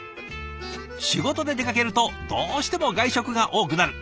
仕事で出かけるとどうしても外食が多くなる。